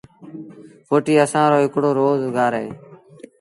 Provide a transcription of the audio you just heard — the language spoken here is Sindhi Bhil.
ڦُٽيٚ اسآݩ رو هڪڙو روز گآر اهي